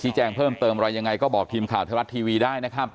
แจ้งเพิ่มเติมอะไรยังไงก็บอกทีมข่าวไทยรัฐทีวีได้นะครับ